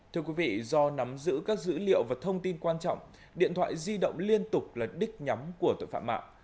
thưa quý vị do nắm giữ các dữ liệu và thông tin quan trọng điện thoại di động liên tục là đích nhắm của tội phạm mạng